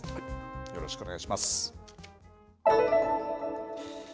よろしくお願いします。